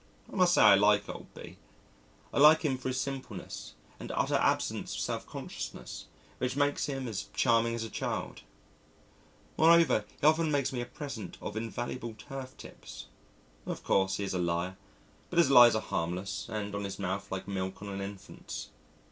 I must say I like old B . I like him for his simpleness and utter absence of self consciousness, which make him as charming as a child. Moreover, he often makes me a present of invaluable turf tips. Of course, he is a liar, but his lies are harmless and on his mouth like milk on an infant's.